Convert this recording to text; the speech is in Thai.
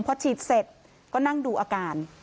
พอฉีดเสร็จก็นั่งดูอาการ